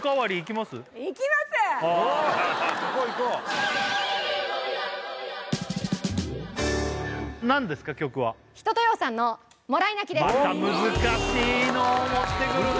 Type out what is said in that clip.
また難しいのを持ってくるね